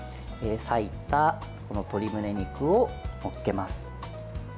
割いた鶏むね肉を載っけます。